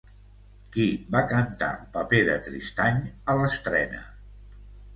Qui va cantar el paper de Tristany a l'estrena?